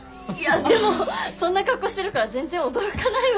でもそんな格好してるから全然驚かないわ。